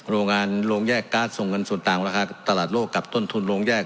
โรงงานโรงแยกการ์ดส่งเงินส่วนต่างราคาตลาดโลกกับต้นทุนโรงแยก